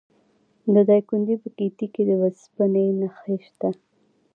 د دایکنډي په ګیتي کې د وسپنې نښې شته.